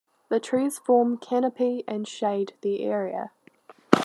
The trees form canopy and shade the area.